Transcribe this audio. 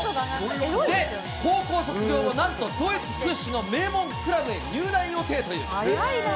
で、高校卒業後、なんと、ドイツ屈指の名門クラブに入団予定という。